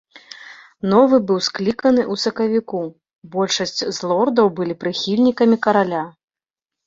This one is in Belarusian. Новы быў скліканы ў сакавіку, большасць з лордаў былі прыхільнікамі караля.